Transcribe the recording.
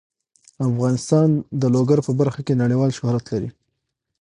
افغانستان د لوگر په برخه کې نړیوال شهرت لري.